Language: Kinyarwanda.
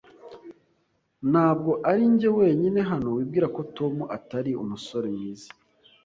Ntabwo arinjye wenyine hano wibwira ko Tom atari umusore mwiza.